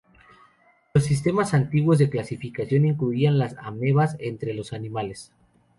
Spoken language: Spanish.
Los sistemas antiguos de clasificación incluían a las amebas entre los animales.